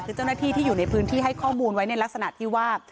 คือเจ้าหน้าที่ที่อยู่ในพื้นที่ให้ข้อมูลไว้ในลักษณะที่ว่า